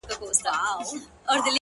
نن مي بيا ټوله شپه ـ